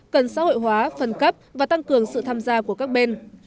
cần xã hội hóa phân cấp và tăng cường sự tham gia của các bên